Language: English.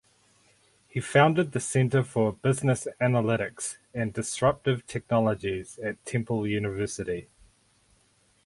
He founded the Center for Business Analytics and Disruptive Technologies at Temple University.